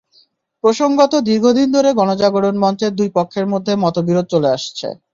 প্রসঙ্গত, দীর্ঘদিন ধরে গণজাগরণ মঞ্চের দুই পক্ষের মধ্যে মতবিরোধ চলে আসছে।